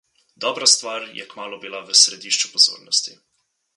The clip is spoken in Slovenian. Dobra stvar je kmalu bila v središču pozornosti.